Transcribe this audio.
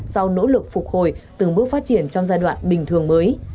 sau nỗ lực phục hồi từng bước phát triển trong giai đoạn bình thường mới